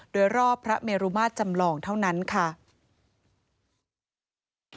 โดยรอบพระเมรุมาตรจำลองเท่านั้นค่ะ